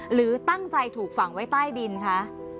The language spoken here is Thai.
หรือตั้งใจถูกฝังไว้ใต้ดินคะ